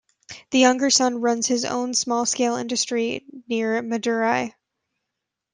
The younger son runs his own small-scale industry near Madurai.